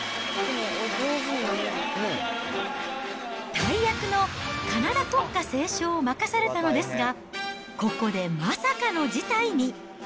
大役のカナダ国歌斉唱を任されたのですが、ここでまさかの事態に。